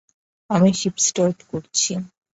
আমি ship start করছি।